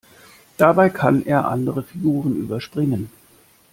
Dabei kann er andere Figuren überspringen.